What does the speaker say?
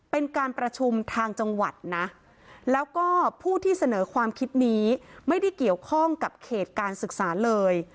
เป็นการประชุมทางจังหวัดนะแล้วก็ผู้ที่เสนอความคิดนี้ไม่ได้เกี่ยวข้องกับเขตการศึกษาเลย